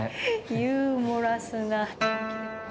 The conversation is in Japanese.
ユーモラスな。